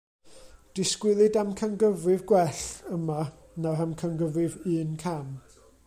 Disgwylid amcangyfrif gwell, yma, na'r amcangyfrif un-cam.